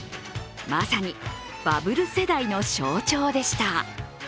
まさにバブル世代の象徴でした。